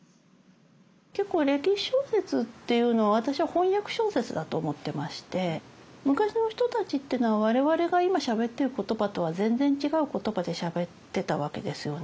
結構歴史小説っていうのは私は翻訳小説だと思ってまして昔の人たちっていうのは我々が今しゃべってる言葉とは全然違う言葉でしゃべってたわけですよね。